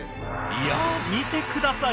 いや見てください。